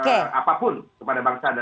kepada bangsa dan negaranya